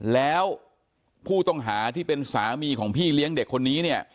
แล้วผู้ต้องหาที่เป็นสามีของพี่เลี้ยงเด็กคนนี้เนี่ย